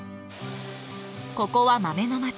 ここは豆のマチ。